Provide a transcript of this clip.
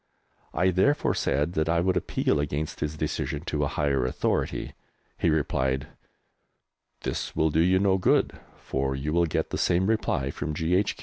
I therefore said that I would appeal against his decision to a higher authority. He replied, "This will do you no good, for you will get the same reply from G.H.